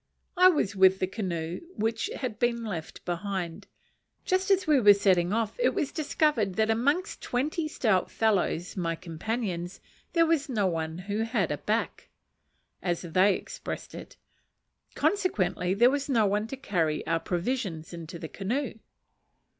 I was with the canoe which had been left behind, and just as we were setting off it was discovered that amongst twenty stout fellows my companions there was no one who had a back! as they expressed it: consequently there was no one to carry our provisions into the canoe.